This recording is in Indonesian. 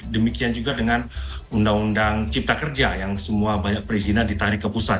demikian juga dengan undang undang cipta kerja yang semua banyak perizinan ditarik ke pusat